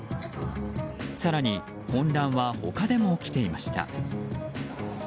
更に、混乱は他でも起きていました。